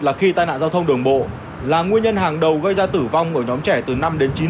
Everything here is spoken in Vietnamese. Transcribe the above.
là khi tai nạn giao thông đường bộ là nguyên nhân hàng đầu gây ra tử vong ở nhóm trẻ từ năm đến chín mươi